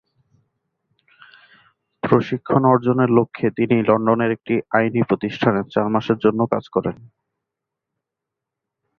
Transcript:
প্রশিক্ষণ অর্জনের লক্ষ্যে তিনি লন্ডনের একটি আইনি প্রতিষ্ঠানে চার মাসের জন্য কাজ করেন।